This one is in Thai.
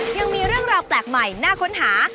ยังมีเรื่องราวแปลกใหม่น่าค้นหา